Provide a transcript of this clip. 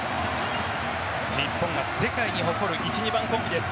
日本が世界に誇る１、２番コンビです。